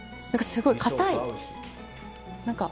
すごい硬い。